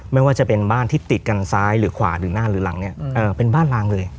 ไม่ว่าจะเป็นบ้านที่ติดกันซ้ายหรือขวาหรือหน้าหรือหลังเนี่ยเป็นบ้านลางเลย